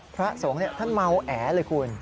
พระสงฆ์ท่านเมาแอเลยคุณ